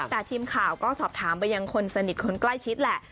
แต่ทีมข่าวก็สอบถามไปยังคนสนิทคนใกล้ชิดแหละ